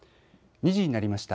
２時になりました。